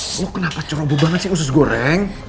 lu kenapa ceroboh banget sih usus goreng